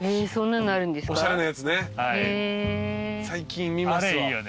最近見ますわ。